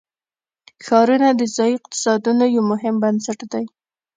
ښارونه د ځایي اقتصادونو یو مهم بنسټ دی.